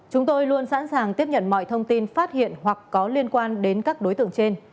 chúng tôi luôn sẵn sàng tiếp nhận mọi thông tin phát hiện hoặc có liên quan đến các đối tượng trên